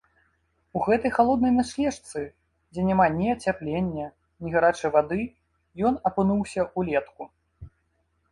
У гэтай халоднай начлежцы, дзе няма ні ацяплення, ні гарачай вады, ён апынуўся ўлетку.